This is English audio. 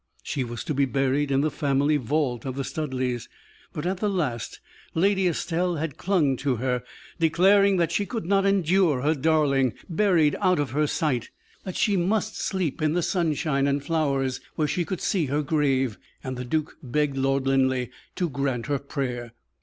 She was to be buried in the family vault of the Studleighs, but, at the last, Lady Estelle had clung to her, declaring that she could not endure her darling buried out of her sight, that she must sleep in the sunshine and flowers, where she could see her grave; and the duke begged Lord Linleigh to grant her prayer.